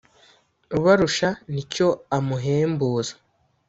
Ubarusha n'icyo amuhembuza